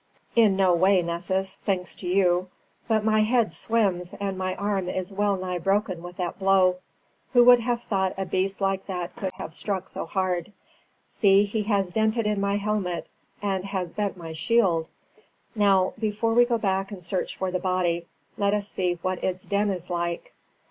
"In no way, Nessus, thanks to you; but my head swims and my arm is well nigh broken with that blow. Who would have thought a beast like that could have struck so hard? See, he has dented in my helmet and has bent my shield! Now, before we go back and search for the body, let us see what its den is like."